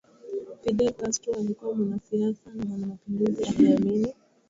Fidel Castro alikuwa mwanasiasa na mwanamapinduzi aliyeamini